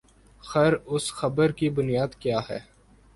خر اس خبر کی بنیاد کیا ہے؟